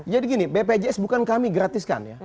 jadi gini bpjs bukan kami gratiskan ya